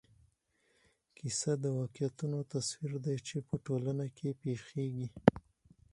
کیسه د واقعیتونو تصویر دی چې په ټولنه کې پېښېږي.